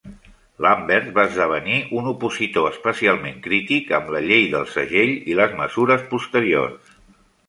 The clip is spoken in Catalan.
Lambert va esdevenir un opositor especialment crític amb la Llei del Segell i les mesures posteriors.